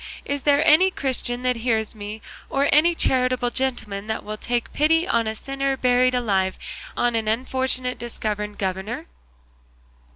is there any Christian that hears me, or any charitable gentleman that will take pity on a sinner buried alive, on an unfortunate disgoverned governor?"